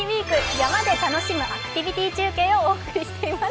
山で楽しむアクティビティー中継」をお送りしています。